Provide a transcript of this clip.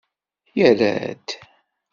Yerra-d.